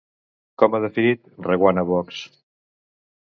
Com ha definit Reguant a Vox?